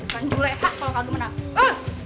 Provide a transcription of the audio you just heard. bantuan gulai kak kalau kagum enak